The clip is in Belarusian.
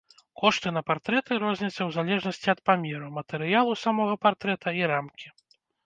Кошты на партрэты розняцца ў залежнасці ад памеру, матэрыялу самога партрэта і рамкі.